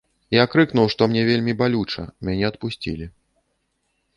Я крыкнуў, што мне вельмі балюча, мяне адпусцілі.